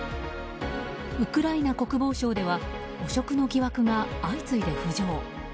ウクライナ国防省では汚職の疑惑が相次いで浮上。